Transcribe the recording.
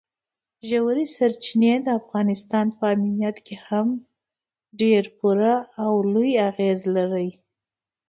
ژورې سرچینې د افغانستان په امنیت هم ډېر پوره او لوی اغېز لري.